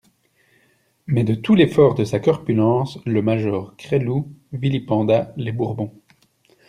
Mais, de tout l'effort de sa corpulence, le major Gresloup vilipenda les Bourbons.